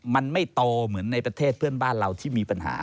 มันไม่โตเหมือนในประเทศเพื่อนบ้านเราที่มีปัญหา